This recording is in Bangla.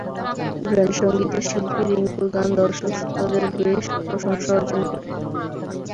ব্যান্ড সংগীতের শিল্পী রিংকুর গান দর্শক শ্রোতাদের বেশ প্রশংসা অর্জন করে।